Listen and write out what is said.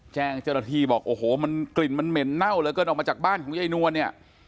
แจ้งเจ้าหน้าที่บอกโอ้โหมันกลิ่นมันเหม็นเน่าเหลือเกินออกมาจากบ้านของยายนวลเนี่ย